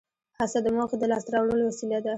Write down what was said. هڅه د موخې د لاس ته راوړلو وسیله ده.